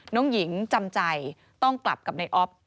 น้องหญิงจำใจต้องกลับกับในออฟ